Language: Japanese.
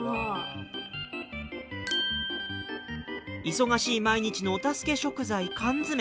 忙しい毎日のお助け食材缶詰。